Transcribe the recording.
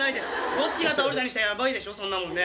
どっちが倒れたにしてもやばいでしょそんなもんね。